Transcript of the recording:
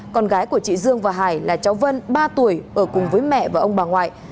con gái của chị dương và hải là cháu vân ba tuổi ở cùng với mẹ và ông bà ngoại